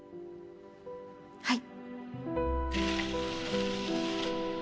はい。